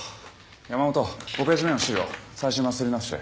山本５ページ目の資料最新版刷り直して。